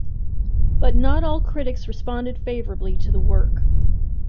But not all critics responded favourably to the work.